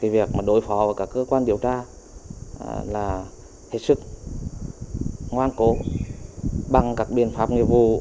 cho nên việc đối phó với các cơ quan điều tra là hết sức ngoan cố bằng các biện pháp người vụ